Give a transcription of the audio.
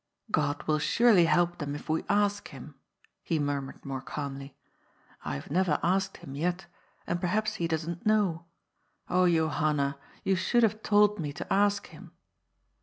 " God will surely help them, if we ask him," he mur mured more calmly. ^* I have never asked him yet, and perhaps he doesn't know. Oh, Johanna, you should have told me to ask him."